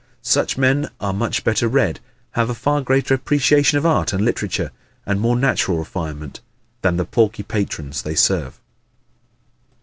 Such men are much better read, have a far greater appreciation of art and literature and more natural refinement than the porky patrons they serve.